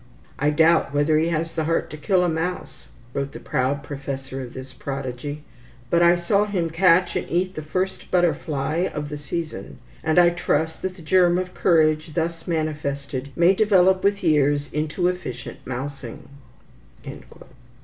"I doubt whether he has the heart to kill a mouse," wrote the proud possessor of this prodigy; "but I saw him catch and eat the first butterfly of the season, and I trust that the germ of courage thus manifested may develop with years into efficient mousing."